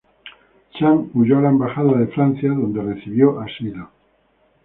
Sam huyó a la embajada de Francia, donde recibió asilo.